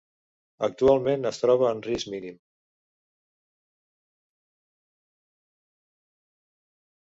Actualment, es troba en risc mínim.